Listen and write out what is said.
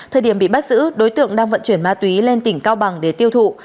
thời điểm bị bắt giữ đối tượng đang vận chuyển ma túy lên tỉnh cao bằng để tiêu thụ